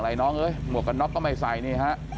หลายน้องมวลกับน้องก็ไม่ใส่